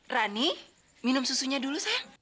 rani minum susunya dulu saya